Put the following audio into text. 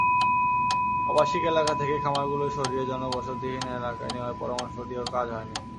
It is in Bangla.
আবাসিক এলাকা থেকে খামারগুলো সরিয়ে জনবসতিহীন এলাকায় নেওয়ার পরামর্শ দিয়েও কাজ হয়নি।